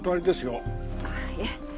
あっいえ